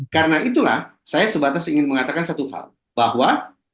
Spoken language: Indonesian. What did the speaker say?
karena itulah saya sebatas ingin mengatakan satu hal bahwa